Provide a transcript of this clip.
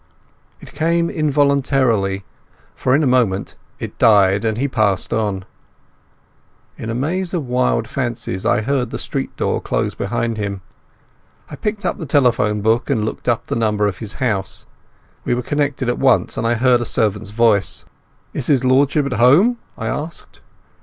It came involuntarily, for in a moment it died, and he passed on. In a maze of wild fancies I heard the street door close behind him. I picked up the telephone book and looked up the number of his house. We were connected at once, and I heard a servant's voice. "Is his Lordship at home?" I asked.